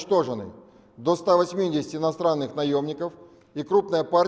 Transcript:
satu ratus delapan puluh tentara asing di pangkalan militer